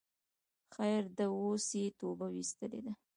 خیر ده اوس یی توبه ویستلی ده